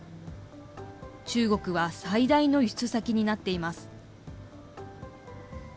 中国は最大の輸出先になっています。